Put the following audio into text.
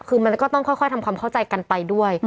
คือมันก็ต้องค่อยทำความเข้าใจกันไปด้วย